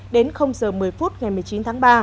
đến giờ một mươi phút ngày một mươi chín tháng ba